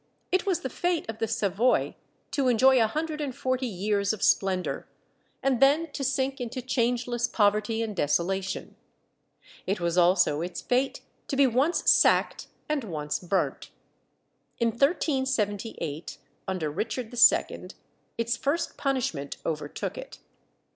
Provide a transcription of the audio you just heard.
It was the fate of the Savoy to enjoy a hundred and forty years of splendour, and then to sink into changeless poverty and desolation. It was also its ill fate to be once sacked and once burnt. In 1378, under Richard II., its first punishment overtook it.